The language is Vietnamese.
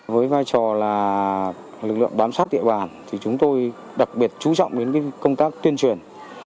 với vai trò là lực lượng bám sát địa bàn thì chúng tôi đặc biệt chú trọng đến công tác tuyên truyền